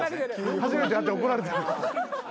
初めて会って怒られてる。